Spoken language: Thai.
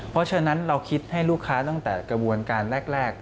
เพราะฉะนั้นเราคิดให้ลูกค้าตั้งแต่กระบวนการแรก